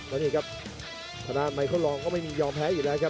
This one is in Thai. แล้วนี่ครับขนาดไมโครลองก็ไม่มียอมแพ้อีกแล้วครับ